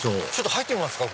入ってみますか？